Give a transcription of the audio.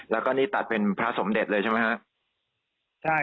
แล้วก็นี่ตัดเป็นพระสมเด็จเลยใช่ไหมครับ